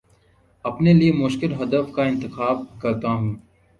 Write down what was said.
اپنے لیے مشکل ہدف کا انتخاب کرتا ہوں